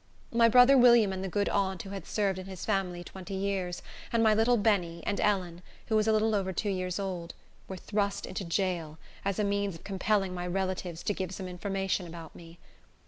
My brother William and the good aunt who had served in his family twenty years, and my little Benny, and Ellen, who was a little over two years old, were thrust into jail, as a means of compelling my relatives to give some information about me.